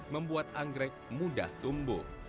membuat anggrek mudah tumbuh